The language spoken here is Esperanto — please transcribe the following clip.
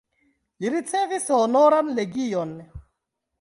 Li ricevis Honoran legion.